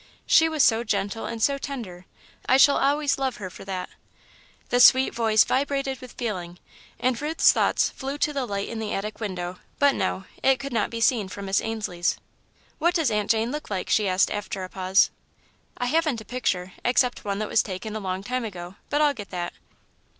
She was so gentle and so tender I shall always love her for that." The sweet voice vibrated with feeling, and Ruth's thoughts flew to the light in the attic window, but, no it could not be seen from Miss Ainslie's. "What does Aunt Jane look like?" she asked, after a pause. "I haven't a picture, except one that was taken a long time ago, but I'll get that."